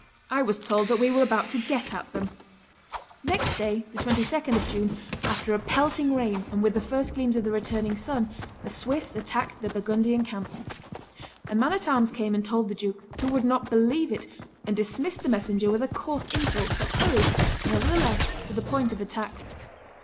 I was told that we were about to get at them." Next day, the 22d of June, after a pelting rain and with the first gleams of the returning sun, the Swiss attacked the Burgundian camp. A man at arms came and told the duke, who would not believe it, and dismissed the messenger with a coarse insult, but hurried, nevertheless, to the point of attack.